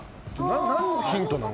何のヒントなの？